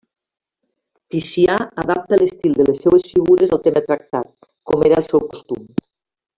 Ticià adapta l'estil de les seues figures al tema tractat, com era el seu costum.